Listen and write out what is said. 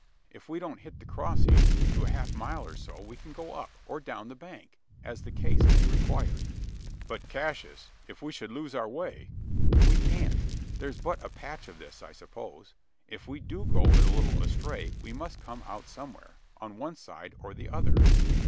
If we don't hit the crossing, to a half mile or so, we can go up, or down the bank as the case may require." "But, Cassius: if we should lose our way?" "We can't. There's but a patch of this, I suppose? If we do go a little astray, we must come out somewhere on one side, or the other."